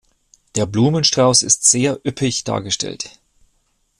Der Blumenstrauß ist sehr üppig dargestellt.